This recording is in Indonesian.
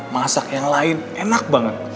masak yang lain enak banget